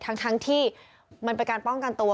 ทั้งที่มันเป็นการป้องกันตัว